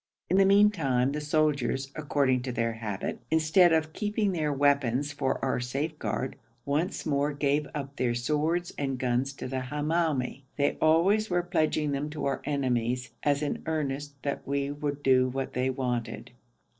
In the meantime the soldiers, according to their habit, instead of keeping their weapons for our safeguard, once more gave up their swords and guns to the Hamoumi. They always were pledging them to our enemies, as an earnest that we would do what they wanted.